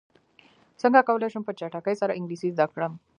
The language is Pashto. څنګه کولی شم په چټکۍ سره انګلیسي زده کړم